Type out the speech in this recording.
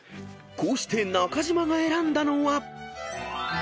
［こうして中島が選んだのは］